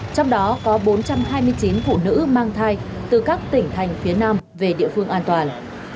trong đó có bốn trăm hai mươi chín phụ nữ mang thai từ các tỉnh thành phía nam về địa phương an toàn